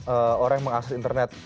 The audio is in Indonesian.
orang yang mengakses internet